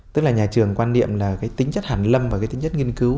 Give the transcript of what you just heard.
tức là nhà trường quan niệm là cái tính chất hàn lâm và cái tính chất nghiên cứu